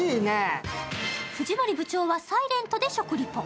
藤森部長はサイレントで食リポ。